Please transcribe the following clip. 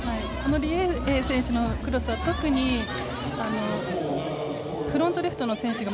リ・エイエイ選手のクロスは特にフロントレフトの選手が